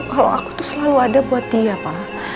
kalau aku tuh selalu ada buat dia pak